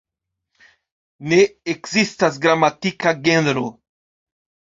Ne ekzistas gramatika genro.